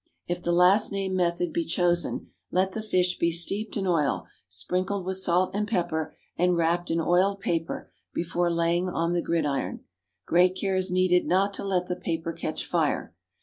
If the last named method be chosen, let the fish be steeped in oil, sprinkled with salt and pepper, and wrapped in oiled paper before laying on the gridiron. Great care is needed not to let the paper catch fire.